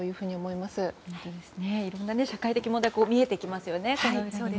いろんな社会問題が見えてきますよね。